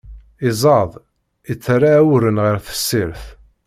Iẓẓad, itterra awren ɣer tessirt.